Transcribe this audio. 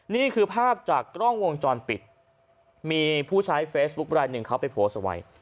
นี่คือภาพจากกล้องวงจรปิดมีผู้ใช้เฟซบุ๊คไลหนึ่งเขาไปโพสต์เอาไว้